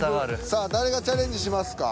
さあ誰がチャレンジしますか？